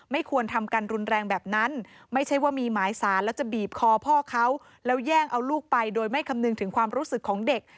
ไม่ควรทำกันรุนแรงแบบนั้นไม่ใช่ว่ามีหมายสารแล้วจะบีบคอพ่อเขาแล้วแย่งเอาลูกไปโดยไม่คำนึงถึงความรู้สึกของเด็ก